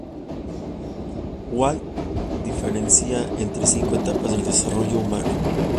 White diferencia entre cinco etapas del desarrollo humano.